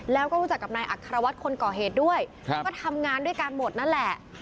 แล้วก็รู้จักกับนายอัครวัตรคนก่อเหตุด้วยก็ทำงานด้วยกันหมดนั่นแหละ